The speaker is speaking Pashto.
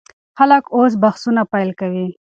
خلک اوس بحثونه پیل کوي.